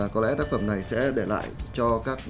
có lẽ tác phẩm này sẽ để lại cho các